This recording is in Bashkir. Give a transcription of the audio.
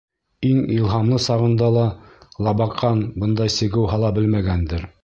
Иң илһамлы сағында ла Лабаҡан бындай сигеү һала белмәгәндер.